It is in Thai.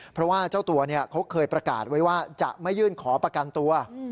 เพราะว่าเจ้าตัวเขาเคยประกาศไว้ว่าจะไม่ยื่นขอประกันตัว